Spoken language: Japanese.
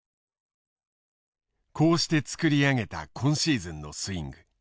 こうして作り上げた今シーズンのスイング。